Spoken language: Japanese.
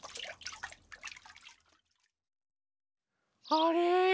あれ？